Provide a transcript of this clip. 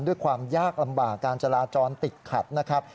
ด้วยความยากลำบากการจาราจรติดขัด